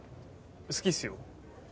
好きっすよ。